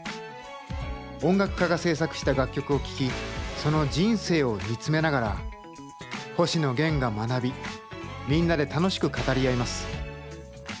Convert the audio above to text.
音楽家が制作した楽曲を聴きその人生を見つめながら星野源が学びみんなで楽しく語り合います。